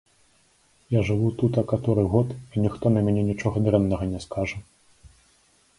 Я жыву тута каторы год, і ніхто на мяне нічога дрэннага не скажа.